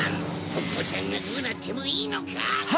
ポッポちゃんがどうなってもいいのか！